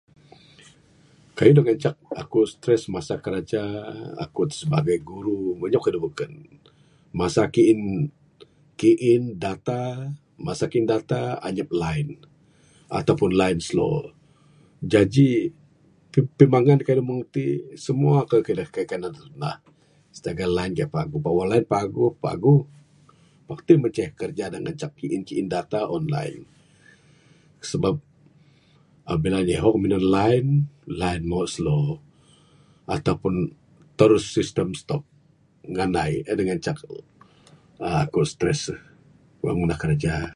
Kayuh ngancak aku stress kraja aku sibagai guru meh anyap kayuh da beken masa key in data, masa key in data anyap line ato pun line slow jaji pimangan kayuh da meng ti semua kayuh da kaik kanan tunah sitagal line paguh pak wang line paguh, paguh pak ti manceh kraja da ngancak key in key in data online sabab labih lagi ihong inya minan line, line moh slow ato pun terus sistem stop en da ngancak aku stress wang ngunah kerja.